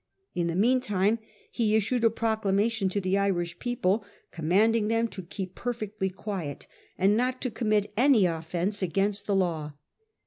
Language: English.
In the meantime he issued a procla mation to the Irish people commanding them to keep perfectly quiet and not to commit any offence against the law.